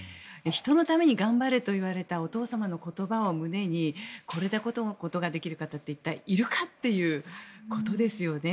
人のために頑張れと言われたお父様の言葉を胸にこれだけのことができる人がいるかということですよね。